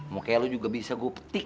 mau kayak lo juga bisa gue petik